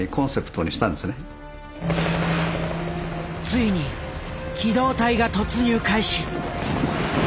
ついに機動隊が突入開始。